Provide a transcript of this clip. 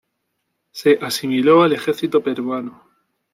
Se asimiló al Ejercito Peruano.